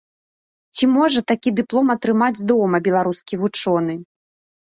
Ці можа такі дыплом атрымаць дома беларускі вучоны?